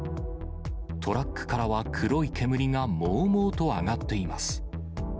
トラックからは黒い煙がもうもうと上がっています。